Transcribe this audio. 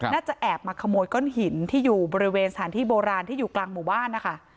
น่าจะแอบมาขโมยก้อนหินที่อยู่บริเวณสถานที่โบราณที่อยู่กลางหมู่บ้านนะคะ